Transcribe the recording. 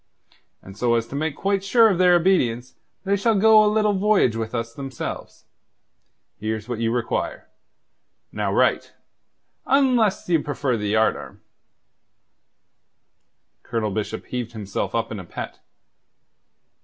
And so as to make quite sure of their obedience, they shall go a little voyage with us, themselves. Here's what you require. Now write unless you prefer the yardarm." Colonel Bishop heaved himself up in a pet.